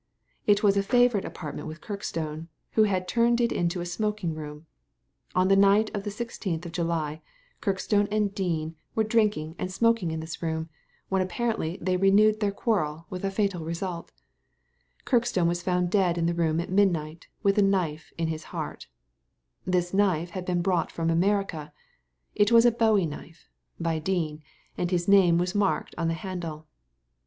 It was a favourite apartment with Kirkstone, who had turned it into a smoking room. On the night of the i6th of July, Kirkstone and Dean were drinking and smoking in Digitized by Google THE CRIME OF KIRKSTONE HALL 63 this roomy when apparently they renewed their quarrel with a fatal result Kirkstone was found dead in the room at midnight with a knife in his heart This knife had been brought from America — it was a bowie knife — ^by Dean, and his name was marked on the handle.